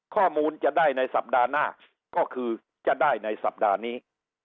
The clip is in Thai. ข้อมูลจะได้ในสัปดาห์หน้าก็คือจะได้ในสัปดาห์นี้